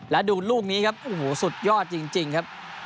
และดูลูกนี้ครับโอ้โหสุดยอดจริงครับ